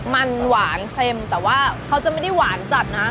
มันหวานเค็มแต่ว่าเขาจะไม่ได้หวานจัดนะ